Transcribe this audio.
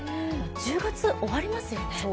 １０月終わりますよね